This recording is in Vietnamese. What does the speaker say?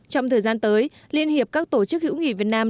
trong thời gian tới liên hiệp các tổ chức hữu nghị việt nam